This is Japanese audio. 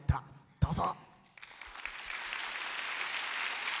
どうぞ。